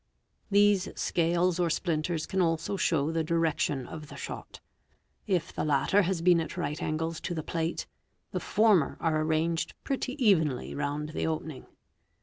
These scales or splinters can also show the direction of the shot. If ie latter has been at right angles to the plate, the former are arranged retty evenly round the opening.